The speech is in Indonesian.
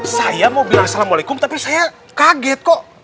saya mau bilang assalamualaikum tapi saya kaget kok